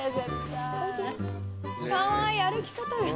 かわいい歩き方が。